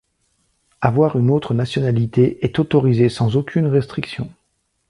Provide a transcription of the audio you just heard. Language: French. Avoir une autre nationalité est autorisé sans aucune restriction.